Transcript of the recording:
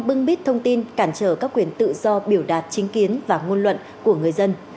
bưng bít thông tin cản trở các quyền tự do biểu đạt chính kiến và ngôn luận của người dân